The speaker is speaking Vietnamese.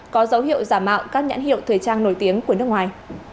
có dấu hiệu giả mạo các nhãn hiệu thời trang nổi tiếng của nước ngoài